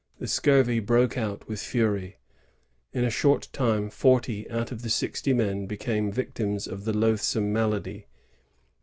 The scurvy broke out with fuiy. In a short time, forty out of the sixty men became victims of the loathsome malady.